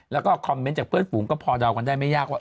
แล้วก็คอมเมนต์จากเพื่อนฝูงก็พอเดากันได้ไม่ยากว่า